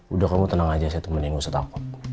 udah kamu tenang aja saya temenin gak usah takut